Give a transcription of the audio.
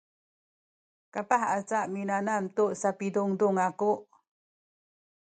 kapah aca minanam tu sapidundun aku